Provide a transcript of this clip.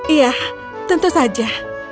iya tentu saja